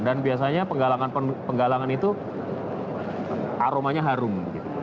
dan biasanya penggalangan penggalangan itu aromanya harum